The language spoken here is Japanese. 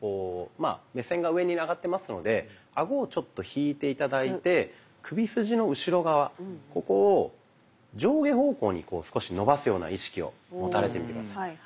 まあ目線が上に上がってますのでアゴをちょっと引いて頂いて首筋の後ろ側ここを上下方向に少し伸ばすような意識を持たれてみて下さい。